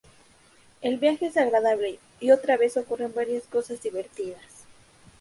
El viaje es agradable y otra vez ocurren varias cosas divertidas.